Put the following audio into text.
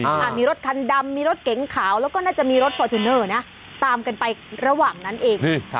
อ่ามีรถคันดำมีรถเก๋งขาวแล้วก็น่าจะมีรถฟอร์จูเนอร์นะตามกันไประหว่างนั้นเองอืม